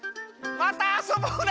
またあそぼうね！